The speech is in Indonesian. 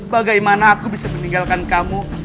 bagaimana aku bisa meninggalkan kamu